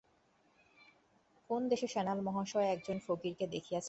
কোন দেশে সান্যাল মহাশয় একজন ফকিরকে দেখিয়াছিলেন, সে এক অশথতলায় থাকিত।